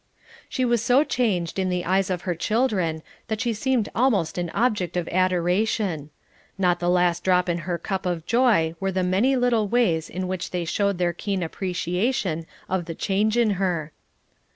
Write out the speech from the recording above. She was so changed in the eyes of her children that she seemed almost an object of adoration. Not the last drop in her cup of joy were the many little ways in which they showed their keen appreciation of the change in her.